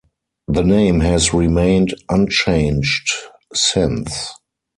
The name has remained unchanged since.